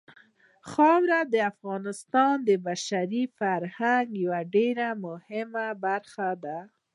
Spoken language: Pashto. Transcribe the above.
خاوره د افغانستان د بشري فرهنګ یوه ډېره مهمه برخه ده.